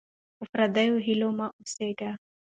په پردیو هیلو مه اوسېږئ.